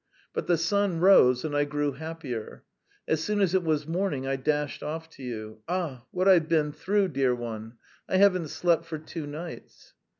But the sun rose and I grew happier. As soon as it was morning I dashed off to you. Ah, what I've been through, dear one! I haven't slept for two nights!"